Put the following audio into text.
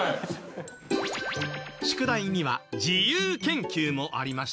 宿題には自由研究もありましたよね。